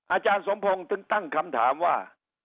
อาจารย์สมพงศ์ถึงตั้งคำถามว่า